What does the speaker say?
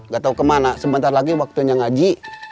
gak tau kemana sebentar lagi waktunya ngaji